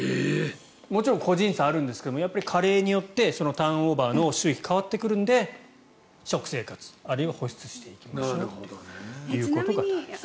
もちろん個人差はあるんですがやっぱり加齢によってターンオーバーの周期が変わってくるので食生活、あるいは保湿していきましょうというのが大事です。